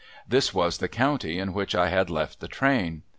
This was the county in which I had left the train.